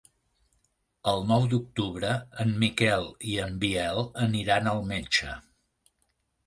El nou d'octubre en Miquel i en Biel aniran al metge.